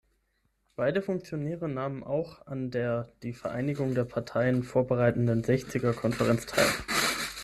Beide Funktionäre nahmen auch an der die Vereinigung der Parteien vorbereitenden Sechziger Konferenz teil.